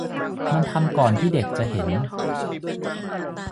มันทำก่อนที่เด็กจะเห็น